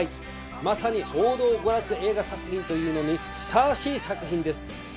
まさに王道娯楽映画作品というのにふさわしい作品です。